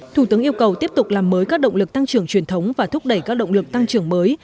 thủ tướng yêu cầu tiếp tục làm mới các động lực tăng trưởng truyền thống và thúc đẩy các động lực tăng trưởng mới